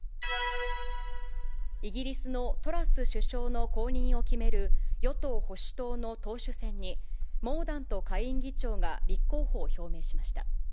イギリスのトラス首相の後任を決める与党・保守党の党首選に、モーダント下院議長が立候補を表明しました。